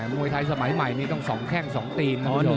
มวยไทยสมัยใหม่นี่ต้องสองแข่งสองตีน